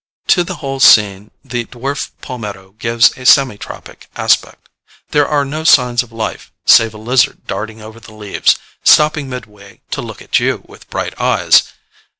To the whole scene the dwarf palmetto gives a semi tropic aspect. There are no signs of life, save a lizard darting over the leaves, stopping midway to look at you with bright eyes.